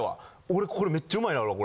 俺これめっちゃうまいのあるわ。